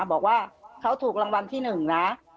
บอกว่าเขาถูกรางวัลที่๑นะ